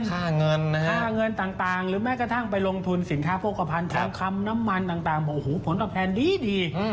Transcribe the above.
ค่าเงินต่างหรือแม้กระทั่งไปลงทุนสินค้าโภคภัณฑ์คำน้ำมันต่างโอ้โหผลประแพนดี